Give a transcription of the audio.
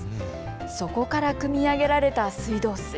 そこからくみ上げられた水道水。